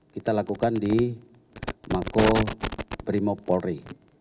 kita lakukan di mako brimo polri